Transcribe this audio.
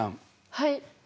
はい。